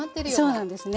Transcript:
そうなんですね。